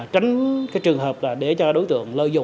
tránh cái trường hợp là để cho đối tượng lợi dụng